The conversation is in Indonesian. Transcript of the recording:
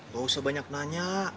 gak usah banyak nanya